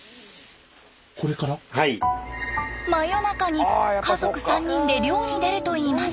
真夜中に家族３人で漁に出るといいます。